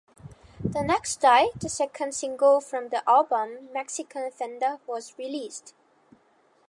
The next day, the second single from the album "Mexican Fender" was released.